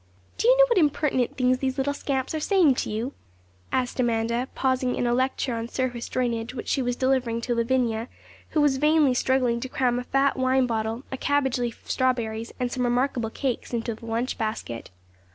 'Do you know what impertinent things these little scamps are saying to you?' asked Amanda, pausing in a lecture on surface drainage which she was delivering to Lavinia, who was vainly struggling to cram a fat wine bottle, a cabbage leaf of strawberries, and some remarkable cakes into the lunch basket.